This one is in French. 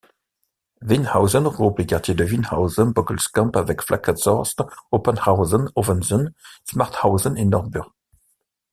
Wienhausen regroupe les quartiers de Wienhausen, Bockelskamp avec Flackenhorst, Oppershausen, Offensen, Schwachhausen et Nordburg.